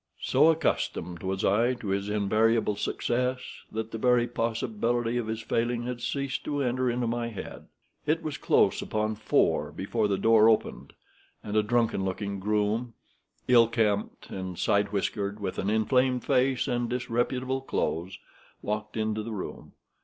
So accustomed was I to his invariable success that the very possibility of his failing had ceased to enter into my head. It was close upon four before the door opened, and a drunken looking groom, ill kempt and side whiskered, with an inflamed face and disreputable clothes, walked into the room.